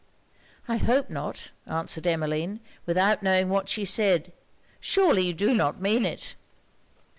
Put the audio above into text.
'I hope not,' answered Emmeline, without knowing what she said 'Surely you do not mean it?'